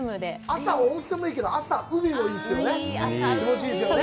朝、温泉もいいけど、海もいいですよね。